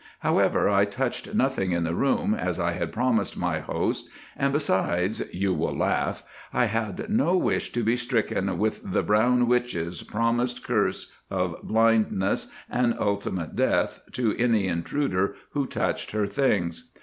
However, I touched nothing in the room, as I had promised my host, and besides—you will laugh—I had no wish to be stricken with the "Brown Witch's" promised curse of blindness and ultimate death to any intruder who touched her things.